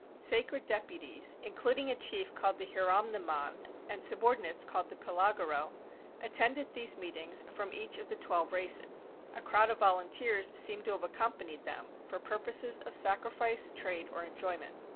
Sacred deputies, including a chief called the Hieromnemon and subordinates called the Pylagoræ, attended at these meetings from each of the twelve races: a crowd of volunteers seem to have accompanied them, for purposes of sacrifice, trade, or enjoyment.